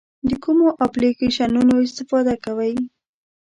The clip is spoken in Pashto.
د کومو اپلیکیشنونو استفاده کوئ؟